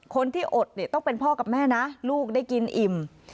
คนที่อดเนี่ยต้องเป็นพ่อกับแม่นะลูกได้กินอิ่ม